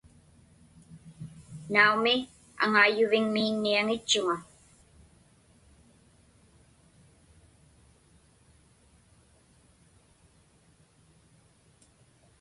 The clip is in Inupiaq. Naumi, aŋaiyyuviŋmiinniaŋitchuŋa.